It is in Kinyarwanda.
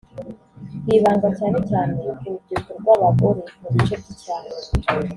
hibandwa cyane cyane ku rubyiruko n’abagore mu bice by’icyaro